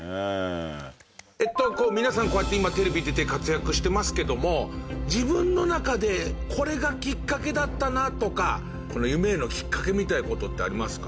皆さんこうやって今テレビに出て活躍してますけども自分の中でこれがきっかけだったなとか夢へのきっかけみたいな事ってありますか？